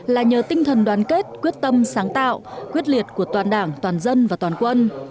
là nhờ tinh thần đoàn kết quyết tâm sáng tạo quyết liệt của toàn đảng toàn dân và toàn quân